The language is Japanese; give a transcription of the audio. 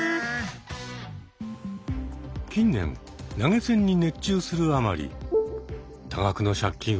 近年投げ銭に熱中するあまり多額の借金をする。